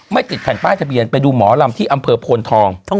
ติดแผ่นป้ายทะเบียนไปดูหมอลำที่อำเภอโพนทอง